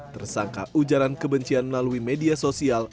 tersangka ujaran kebencian melalui media sosial